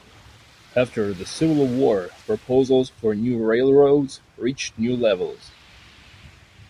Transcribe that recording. After the Civil War, proposals for new railroads reached new levels.